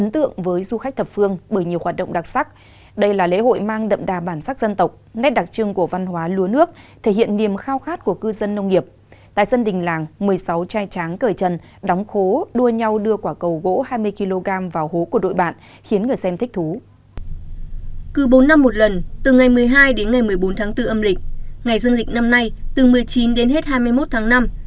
từ ngày một mươi hai đến ngày một mươi bốn tháng bốn âm lịch ngày dân lịch năm nay từ một mươi chín đến hết hai mươi một tháng năm